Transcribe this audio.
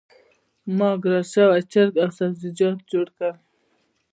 ما ګرل شوي چرګ او سبزیجات جوړ کړل.